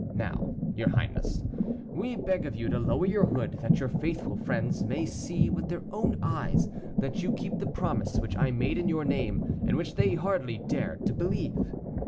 Now, your highness, we beg of you to lower your hood, that your faithful friends may see with their own eyes that you keep the promise which I made in your name, and which they hardly dared to believe."